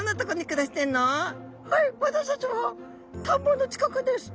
私たちは田んぼの近くです」。